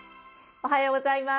おはようございます！